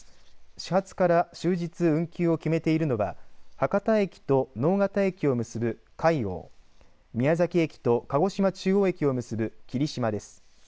始発から終日運休を決めているのは博多駅と直方駅を結ぶかいおう、宮崎駅と鹿児島中央駅を結ぶきりしまです。